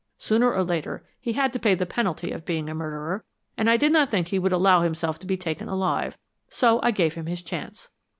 Sooner or later he had to pay the penalty of being a murderer, and I did not think he would allow himself to be taken alive, so I gave him his chance.